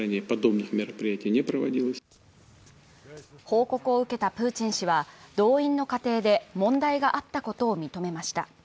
報告を受けたプーチン氏は動員の過程で、問題があったことを認めました。